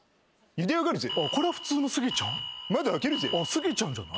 スギちゃんじゃない？